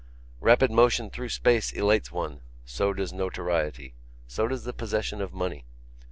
Rapid motion through space elates one; so does notoriety; so does the possession of money.